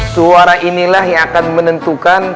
suara inilah yang akan menentukan